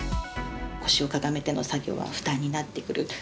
腰をかがめての作業は負担になってくる。